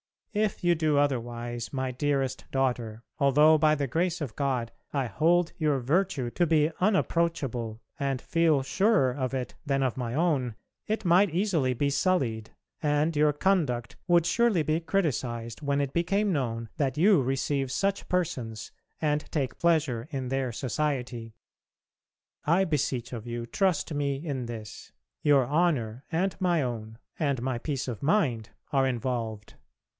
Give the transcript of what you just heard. If you do otherwise, my dearest daughter, although by the grace of God I hold your virtue to be unapproachable and feel surer of it than of my own, it might easily be sullied, and your conduct would surely be criticised when it became known that you receive such persons and take pleasure in their society. I beseech of you, trust me in this. Your honour and my own and my peace of mind are involved.